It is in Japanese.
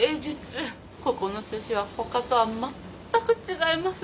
ここのすしは他とはまったく違います。